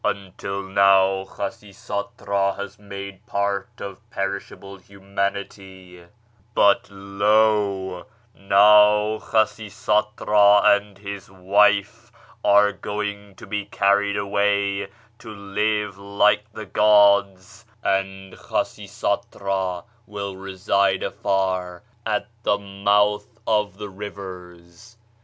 "Until now Khasisatra has made part of perishable humanity; but lo, now Khasisatra and his wife are going to be carried away to live like the gods, and Khasisatra will reside afar at the mouth of the rivers."